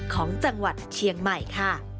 ของจังหวัดเชียงใหม่ค่ะ